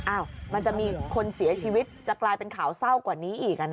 มันจะมีคนเสียชีวิตจะกลายเป็นข่าวเศร้ากว่านี้อีก